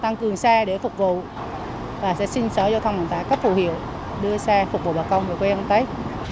tăng cường xe để phục vụ và sẽ xin sở châu phong và các phù hiệu đưa xe phục vụ bà công về quê hương tết